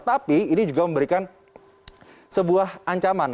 tapi ini juga memberikan sebuah ancaman